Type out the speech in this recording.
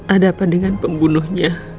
ada apa dengan pembunuhnya